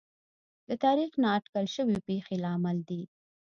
د تاریخ نااټکل شوې پېښې لامل دي.